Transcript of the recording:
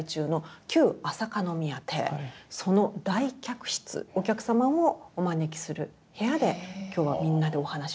その大客室お客様をお招きする部屋で今日はみんなでお話をしていこうと。